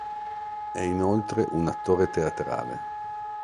È inoltre un attore teatrale.